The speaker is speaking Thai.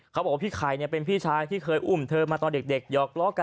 เขาบอกว่าพี่ไข่เนี่ยเป็นพี่ชายที่เคยอุ่มเธอมาตอนเด็ก